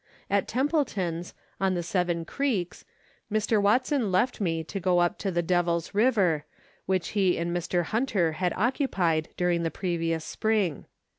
At Templeton's, at the Seven Creeks, Mr. Watson left me to go up to the Devil's River, which he and Mr. Hunter had occupied during the previous spring.